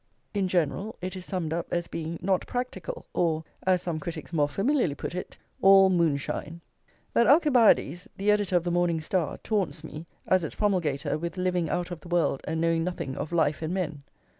In general, it is summed up as being not practical, or, as some critics more familiarly put it, all moonshine. That Alcibiades, the editor of the Morning Star, taunts me, as its promulgator, with living out of the world and knowing nothing of life and men.